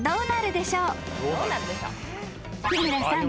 ［日村さん。